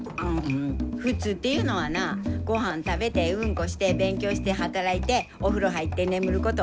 普通っていうのんはなごはん食べてうんこして勉強して働いてお風呂入って眠ること！